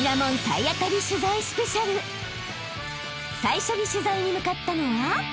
［最初に取材に向かったのは］